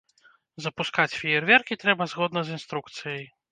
Запускаць феерверкі трэба згодна з інструкцыяй.